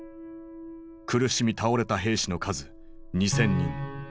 苦しみ倒れた兵士の数２，０００人。